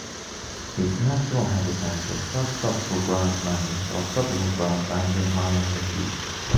Its natural habitat are subtropical grasslands or tropical grasslands with high altitudes.